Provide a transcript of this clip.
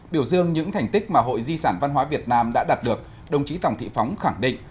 biểu dương những thành tích mà hội di sản văn hóa việt nam đã đạt được đồng chí tòng thị phóng khẳng định